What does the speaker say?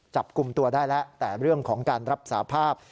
จับกลุ่มตัวได้แล้วแต่เรื่องของการรับสาภาพ